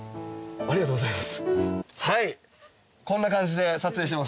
ありがとうございます。